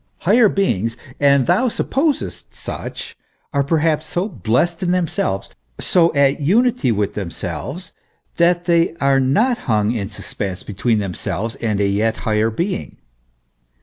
Higher beings and thou supposest such are perhaps so blest in themselves, so at unity with themselves, that they are not hi ino in suspense between themselves and a yet higher being.